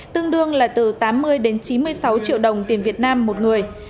tương đương là từ tám mươi đến chín mươi sáu triệu đồng tiền việt nam một người